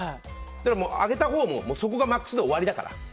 あげたほうもそこがマックスで終わりだから。